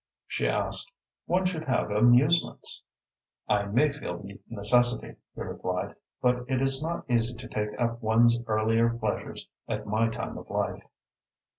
she asked. "One should have amusements." "I may feel the necessity," he replied, "but it is not easy to take up one's earlier pleasures at my time of life."